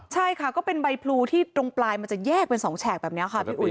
ใช่ค่ะก็เป็นใบพลูที่ตรงปลายมันจะแยกเป็น๒แฉกแบบนี้ค่ะพี่อุ๋